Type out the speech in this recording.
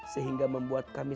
sehingga membuat kami